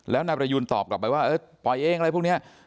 แล้วนายประยูนตอบกลับไปว่าปล่อยเองอะไรพวกนี้